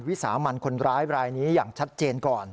วิสามันคนร้ายรายนี้อย่างชัดเจนก่อน